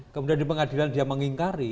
kemudian di pengadilan dia mengingkari